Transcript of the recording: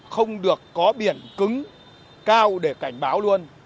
không được có biển cứng cao để cảnh báo luôn